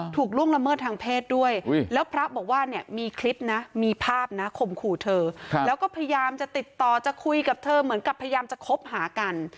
ล่วงละเมิดทางเพศด้วยแล้วพระบอกว่าเนี่ยมีคลิปนะมีภาพนะข่มขู่เธอแล้วก็พยายามจะติดต่อจะคุยกับเธอเหมือนกับพยายามจะคบหากัน